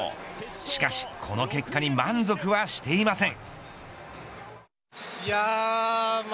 しかしこの結果に満足はしていません。